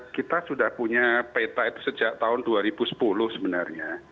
kita sudah punya peta itu sejak tahun dua ribu sepuluh sebenarnya